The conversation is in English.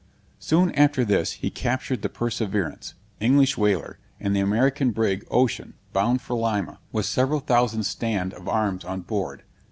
Soon after this he captured the Perseverance, English whaler, and the American brig Ocean, bound for Lima, with several thousand stand of arms on board.